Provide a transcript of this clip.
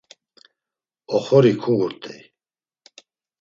Oxori kuğurt̆ey.